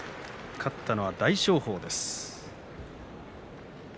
勝ったのは大翔鵬。